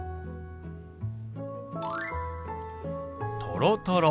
「とろとろ」。